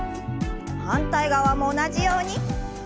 反対側も同じように。